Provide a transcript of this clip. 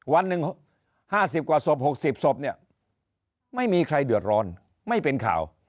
วันหนึ่ง๕๐กว่าศพ๖๐ศพเนี่ยไม่มีใครเดือดร้อนไม่เป็นข่าว